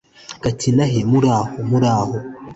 gakinahe muraho, muraho